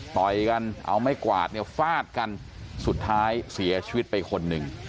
ต่อยกันเอาไม้กวาดเนี่ยฟาดกันสุดท้ายเสียชีวิตไปคนหนึ่ง